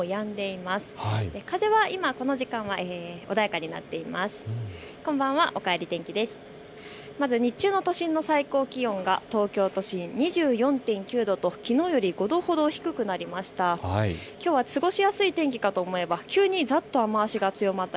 まず日中の都心の最高気温が東京都心２４．９度ときのうより５度ほど低くなりました。